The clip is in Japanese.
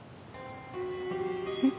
えっ？